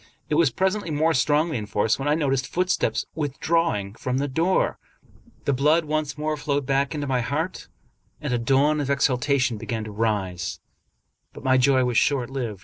It was presently more strongly enforced when I noticed footsteps withdrawing from the door. The blood once more flowed back to my heart, and a dawn of exultation began 267 American Mystery Stories to rise; but my joy was short lived.